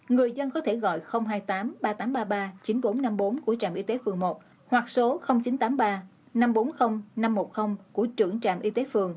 người dân có thể gọi hai mươi tám ba nghìn tám trăm ba mươi ba chín nghìn bốn trăm năm mươi bốn của trạm y tế phường một hoặc số chín trăm tám mươi ba năm trăm bốn mươi năm trăm một mươi của trưởng trạm y tế phường